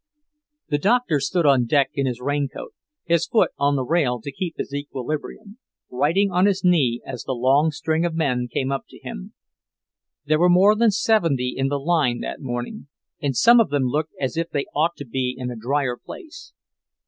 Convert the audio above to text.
The Doctor stood on deck in his raincoat, his foot on the rail to keep his equilibrium, writing on his knee as the long string of men came up to him. There were more than seventy in the line that morning, and some of them looked as if they ought to be in a drier place.